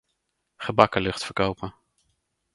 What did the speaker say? Gebakken lucht verkopen.